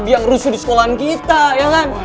yang rusuh di sekolahan kita ya kan